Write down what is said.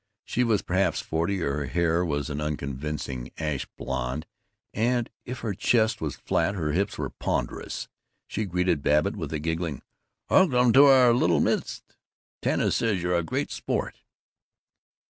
She was perhaps forty; her hair was an unconvincing ash blond; and if her chest was flat, her hips were ponderous. She greeted Babbitt with a giggling "Welcome to our little midst! Tanis says you're a real sport."